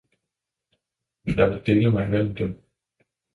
jeg vil dele mig imellem dem!